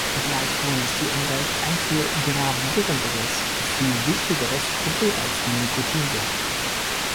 Gleichwohl ist die Umwelt ein viel gravierenderes, viel wichtigeres Problem als die Nikotinsucht.